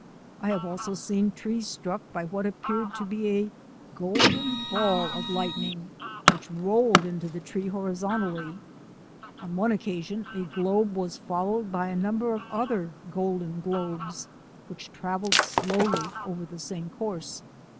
I have also seen trees struck by what appeared to be a golden ball of lightning which rolled in to the tree horizontally. On one occasion a globe was followed by a number of other golden globes which travelled slowly over the same course.